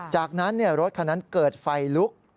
จากนั้นรถคันนั้นเกิดไฟลุก